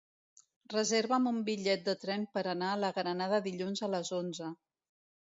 Reserva'm un bitllet de tren per anar a la Granada dilluns a les onze.